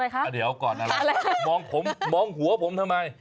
ตัวอะไรครับอะไรครับมองผมมองหัวผมทำไม